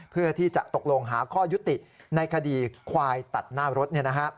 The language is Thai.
เพื่อที่จะตกลงหาข้อยุติในคดีควายตัดหน้ารถ